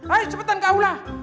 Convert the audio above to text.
ayo cepetan ke aula